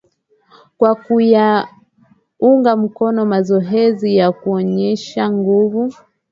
kwa kuyaunga mkono mazoezi ya kuonesha nguvu